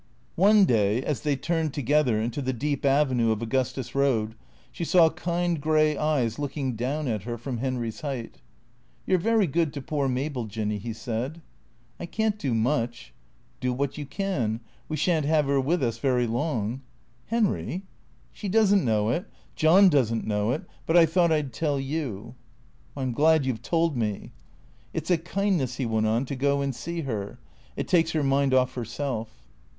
One day as they turned together into the deep avenue of Au gustus Road, she saw kind grey eyes looking down at her from Henry's height. " You 're very good to poor Mabel, Jinny," he said. " I can't do much." " Do what you can. We shan't have her with us very long." « Henry "" She does n't know it. John does n't know it. But I thought I 'd tell you." " I 'm glad you 've told me." " It 's a kindness," he went on, " to go and see her. It takes her mind off herself."